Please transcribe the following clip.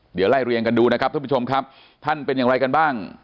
เดี๋ยวไล่เรียงกันดูนะครับท่านผู้ชมครับท่านเป็นอย่างไรกันบ้าง